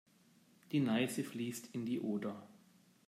Die Neiße fließt in die Oder.